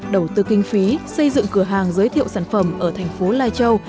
đầu tư kinh phí xây dựng cửa hàng giới thiệu sản phẩm ở thành phố lai châu